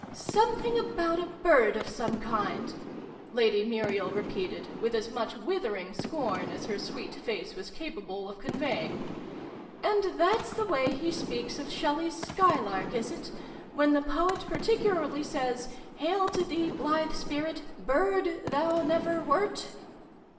"Something about a bird of some kind!" Lady Muriel repeated, with as much withering scorn as her sweet face was capable of con veying. " And that's the way he speaks of Shelley's Sky Lark, is it? When the Poet particularly says ' Hail to thee y blithe spirit ! Bird thou never wert